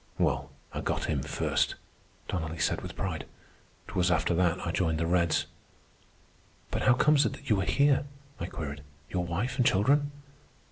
"Well, I got him first," Donnelly said with pride. "'Twas after that I joined the Reds." "But how comes it that you are here?" I queried. "Your wife and children?"